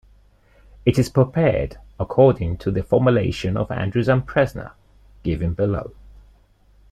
It is prepared according to the formulation of Andrews and Presnell given below.